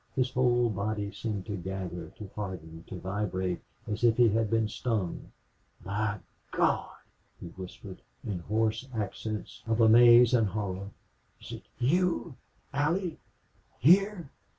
His whole body seemed to gather, to harden, then vibrate, as if he had been stung. "My Gawd!" he whispered in hoarse accents of amaze and horror. "Is it you Allie here?"